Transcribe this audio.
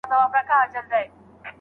موږ به ولي په دې غم اخته کېدلای